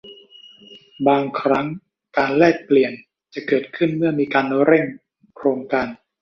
บางครั้งการแลกเปลี่ยนจะเกิดขึ้นเมื่อมีการเร่งโครงการ